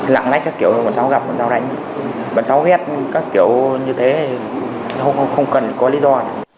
lặng lách các kiểu bọn cháu gặp bọn cháu đánh bọn cháu ghép các kiểu như thế không cần có lý do